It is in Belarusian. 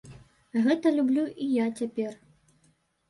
Гэта люблю і цяпер.